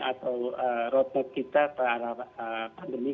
atau roadmap kita ke arah pandemi